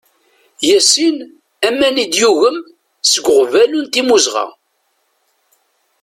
Yasin, aman i d-yugem, seg uɣbalu n timuzɣa.